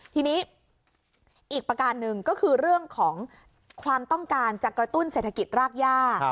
ทีนี้อีกประการหนึ่งก็คือเรื่องของความต้องการจะกระตุ้นเศรษฐกิจรากย่า